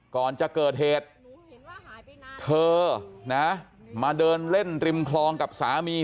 ก่อนจะเกิดเหตุเธอนะมาเดินเล่นริมคลองกับสามี